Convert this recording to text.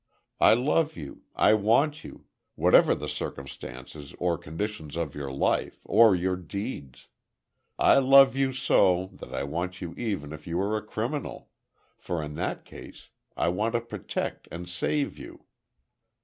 I love you, I want you, whatever the circumstances or conditions of your life, or your deeds. I love you so, that I want you even if you are a criminal—for in that case, I want to protect and save you.